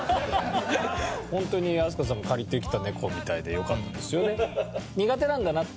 ホントに飛鳥さんが借りてきた猫みたいでよかったですよ。